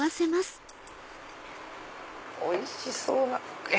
おいしそう！